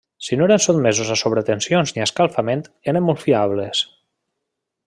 Si no eren sotmesos a sobretensions ni a escalfament eren molt fiables.